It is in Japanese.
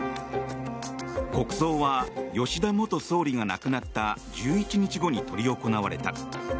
国葬は、吉田元総理が亡くなった１１日後に執り行われた。